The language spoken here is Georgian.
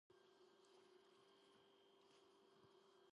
ბუნიადოვი იყო მეორე მსოფლიო ომის ვეტერანი და საბჭოთა კავშირის გმირი.